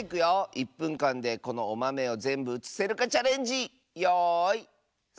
１ぷんかんでこのおまめをぜんぶうつせるかチャレンジよいスタート！